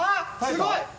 すごい！